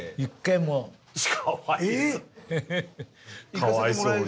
かわいそうに。